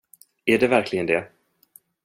Är det verkligen det?